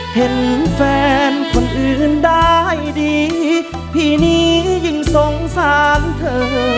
เห็นแฟนคนอื่นได้ดีพี่นี้ยิ่งสงสารเธอ